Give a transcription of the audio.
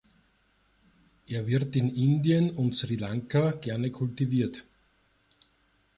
Er wird in Indien und Sri Lanka gerne kultiviert.